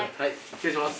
失礼します。